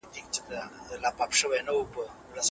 کله چې زه د سړک پر سر تېږه لرې کوم نو صدقه ده.